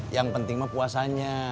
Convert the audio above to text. yang penting mah puasanya